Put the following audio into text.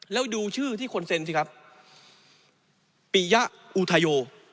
แล้วดูชื่อที่คนเซ็นสิครับปียะอุทัยโย